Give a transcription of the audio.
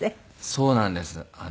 そうなんです。